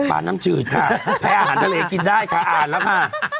ปลาน้ำจืดค่ะให้อาหารทะเลกินได้ค่ะอ่านแล้วค่ะ